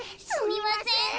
すみません。